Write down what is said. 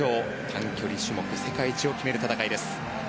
短距離種目世界一を決める戦いです。